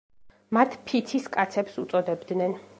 მათ „ფიცის კაცებს“ უწოდებდნენ.